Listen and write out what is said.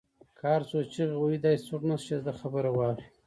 که هر څو چیغې وهي داسې څوک نشته، چې د ده خبره واوري